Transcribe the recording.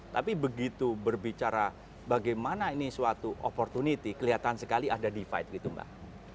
tapi begitu berbicara bagaimana ini suatu opportunity kelihatan sekali ada divide gitu mbak